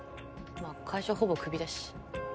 まあ会社ほぼクビだし。